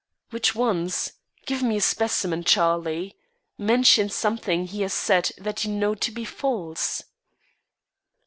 "Which ones? Give me a specimen, Charlie. Mention something he has said that you know to be false."